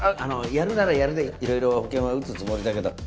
やるならやるでいろいろ保険は打つつもりだけど本当にいいんだな？